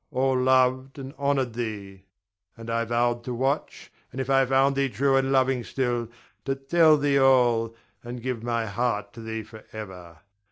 All loved and honored thee; and I vowed to watch, and, if I found thee true and loving still, to tell thee all, and give my heart to thee forever.